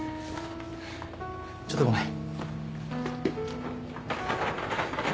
ちょっとごめん。